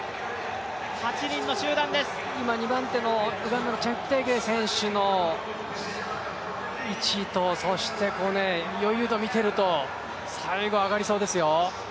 ２番目、ウガンダのチェプテゲイ選手の１位とそして位置と、余裕度を見ていると、再度、上がりそうですよ。